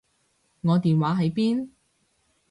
我電話喺邊？